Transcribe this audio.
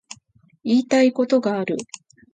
言いたいことがある